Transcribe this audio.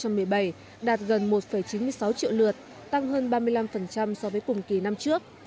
tổng mức bán lẻ hàng hóa và doanh thu phú quốc trong năm hai nghìn một mươi bảy đạt gần một chín mươi sáu triệu lượt tăng hơn ba mươi năm so với cùng kỳ năm trước